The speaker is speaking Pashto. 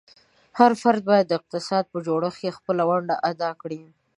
هر فرد باید د اقتصاد په جوړښت کې خپله ونډه ادا کړي.